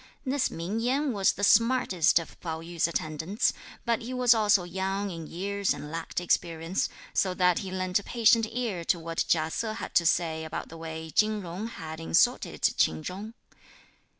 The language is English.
This Ming Yen was the smartest of Pao yü's attendants, but he was also young in years and lacked experience, so that he lent a patient ear to what Chia Se had to say about the way Chin Jung had insulted Ch'in Chung.